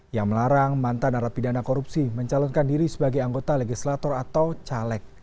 yang melarang mantan narapidana korupsi mencalonkan diri sebagai anggota legislator atau caleg